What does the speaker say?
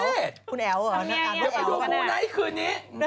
เดี๋ยวดูคุณไหนคืนนี้